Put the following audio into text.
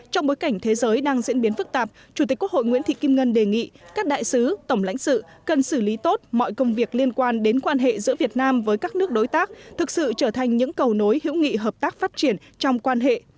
trong bối cảnh thế giới đang diễn biến phức tạp chủ tịch quốc hội nguyễn thị kim ngân đề nghị các đại sứ tổng lãnh sự cần xử lý tốt mọi công việc liên quan đến quan hệ giữa việt nam với các nước đối tác thực sự trở thành những cầu nối hữu nghị hợp tác phát triển trong quan hệ